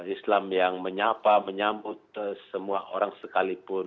islam yang menyapa menyambut semua orang sekalipun